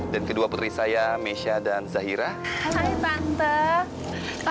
dan kedua putri saya mesya dan zahira hai tante tante apa kabar